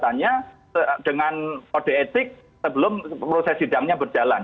pertanyaannya dengan kode etik sebelum proses sidangnya berjalan